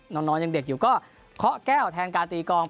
น้องยังเด็กอยู่ก็เคาะแก้วแทนการตีกอง